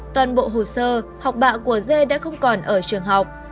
toàn bộ hồ sơ học bạ của dê đã không còn ở trường học